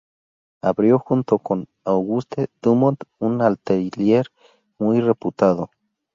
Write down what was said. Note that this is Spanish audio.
Abrió junto con Auguste Dumont un atelier muy reputado.